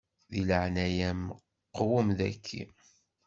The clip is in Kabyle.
Di leɛnaya-m qwem taki.